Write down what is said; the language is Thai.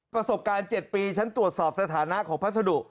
ประสบการณ์๗ปีฉันตรวจสอบสถานะของพัสดุ